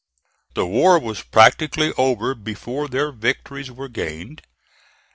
The war was practically over before their victories were gained.